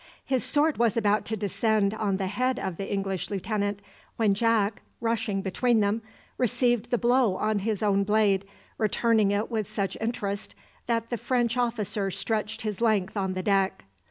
His sword was about to descend on the head of the English lieutenant, when Jack, rushing between them, received the blow on his own blade, returning it with such interest that the French officer stretched his length on the deck.